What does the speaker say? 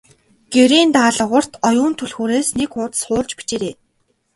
Гэрийн даалгаварт Оюун түлхүүрээс нэг хуудас хуулж бичээрэй.